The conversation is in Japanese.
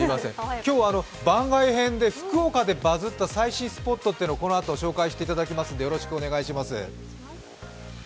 今日は番外編で福岡でバズった最新スポットというのをこのあと紹介してもらいますのでよろしくお願いします。